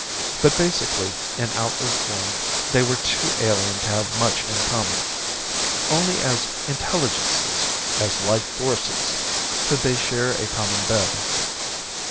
But basically, in outward form, they were too alien to have much in common. Only as intelligences, as life forces, could they share a common bed.